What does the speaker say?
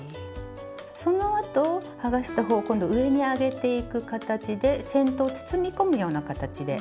そのあと剥がした方を今度は上に上げていく形で先頭を包み込むような形で。